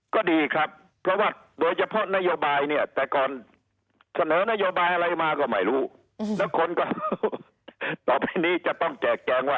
ก็ดีครับโดยเฉพาะนโยบายเนี่ย